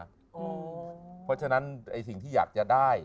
เพราะฉะนั้นสิ่งที่อยากจะได้